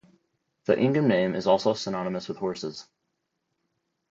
The Ingham name is also synonymous with horses.